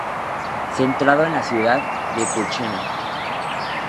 Centrado en la ciudad de Purchena.